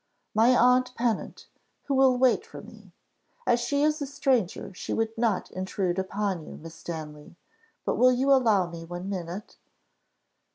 "My aunt Pennant who will wait for me. As she is a stranger, she would not intrude upon you, Miss Stanley; but will you allow me one minute?"